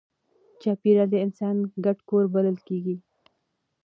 چاپېریال د انسان ګډ کور بلل کېږي.